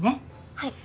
はい。